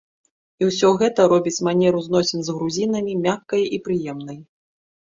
І ўсё гэта робіць манеру зносін з грузінамі мяккай і прыемнай.